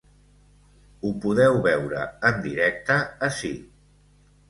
Ho podeu veure en directe ací.